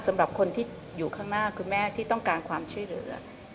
สำหรับคนที่อยู่ข้างหน้าคุณแม่ที่ต้องการความช่วยเหลือ